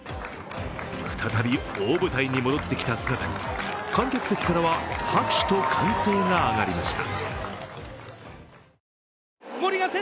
再び大舞台に戻ってきた姿に観客席からは拍手と歓声が上がりました。